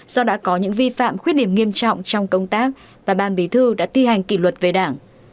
do đã có những vi phạm khuyết điểm nghiêm trọng trong công tác và ban bí thư đã thi hành kỷ luật về đảng